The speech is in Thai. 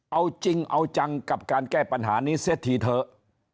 เอาจริงเอาจังกับการแก้ปัญหานี้เสียทีเถอะ